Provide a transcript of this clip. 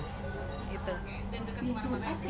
dan dekat kemana mana